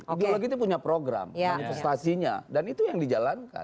ideologi itu punya program manifestasinya dan itu yang dijalankan